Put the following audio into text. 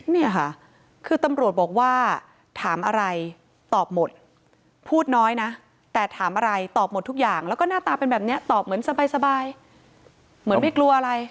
เนี่ยค่ะคือตำรวจบอกว่าถามอะไรตอบหมดพูดน้อยนะแต่ถามอะไรตอบหมดทุกอย่างแล้วก็หน้าตาเป็นแบบนี้ตอบเหมือนสบายเหมือนไม่กลัวอะไร